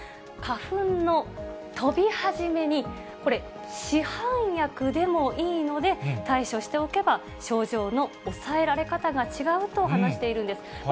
花粉の飛び始めに、これ、市販薬でもいいので、対処しておけば、症状の抑えられ方が違うと話しているんです。